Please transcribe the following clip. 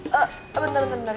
bentar bentar bentar